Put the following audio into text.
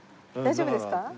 大丈夫ですか？